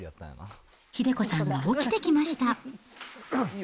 英子さんが起きてきました。